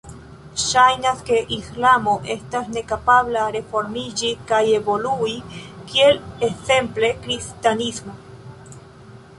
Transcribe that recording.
Ŝajnas, ke islamo estas nekapabla reformiĝi kaj evolui kiel ekzemple kristanismo.